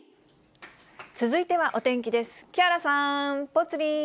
続いてはお天気です。